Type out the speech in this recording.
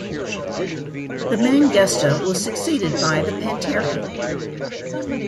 The Mangusta was succeeded by the Pantera.